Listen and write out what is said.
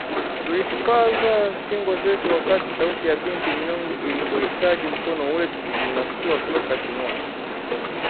Tulishupaza shingo zetu wakati sauti ya binti mnyonge ilipohitaji mkono wetu kumnasua toka shimoni